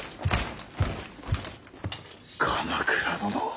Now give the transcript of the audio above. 鎌倉殿。